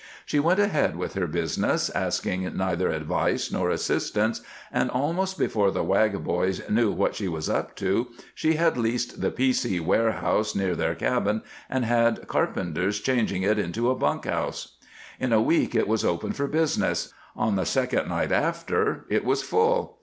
She went ahead with her business, asking neither advice nor assistance, and, almost before the Wag boys knew what she was up to, she had leased the P. C. Warehouse near their cabin and had carpenters changing it into a bunk house. In a week it was open for business; on the second night after it was full.